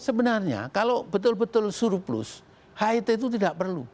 sebenarnya kalau betul betul surplus hit itu tidak perlu